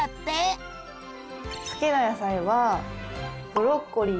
好きな野菜はブロッコリーか。